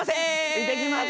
行ってきます。